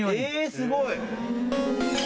すごい。